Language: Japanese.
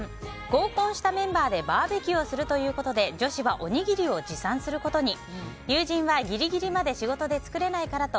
合コンしたメンバーでバーベキューをするということで女子はおにぎりを持参することに。